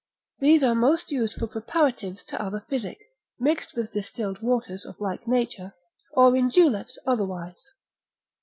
These are most used for preparatives to other physic, mixed with distilled waters of like nature, or in juleps otherwise.